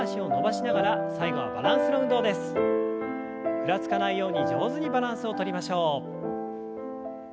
ふらつかないように上手にバランスをとりましょう。